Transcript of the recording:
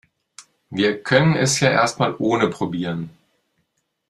Wir können es ja erst mal ohne probieren.